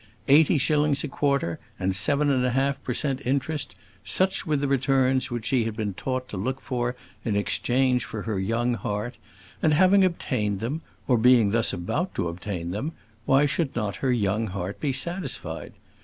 Eighty shillings a quarter, and seven and half per cent. interest, such were the returns which she had been taught to look for in exchange for her young heart; and, having obtained them, or being thus about to obtain them, why should not her young heart be satisfied?